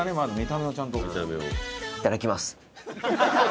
「いただきます」って。